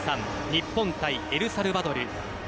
日本対エルサルバドル。